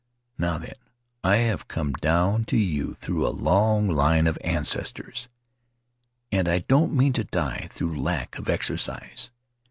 Now then, I have come down to you through a long line of ancestors, and I don't mean to die through lack of exercise.